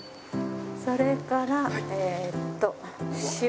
それからえっと塩。